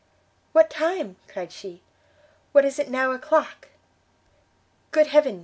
"What time?" cried she, "what is it now o'clock?" "Good Heaven!"